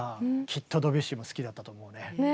きっとドビュッシーも好きだったと思うね。